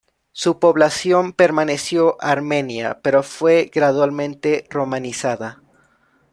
Su población permaneció armenia, pero fue gradualmente romanizada.